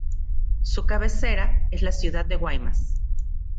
Su cabecera es la ciudad de Guaymas.